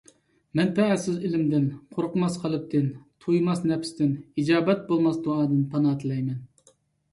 مەنپەئەتسىز ئىلىمدىن، قورقماس قەلبتىن، تويماس نەپستىن، ئىجابەت بولماس دۇئادىن پاناھ تىلەيمەن.